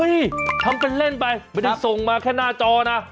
ทำกันเล่นไปไม่ได้ส่งมาแค่หน้าจอนะ